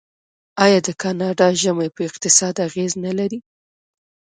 آیا د کاناډا ژمی په اقتصاد اغیز نلري؟